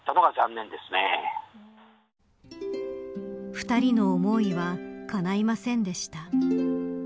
二人の思いはかないませんでした。